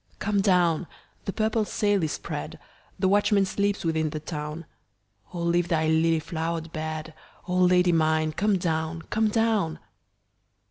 Come down! the purple sail is spread, The watchman sleeps within the town,O leave thy lily flowered bed,O Lady mine come down, come down!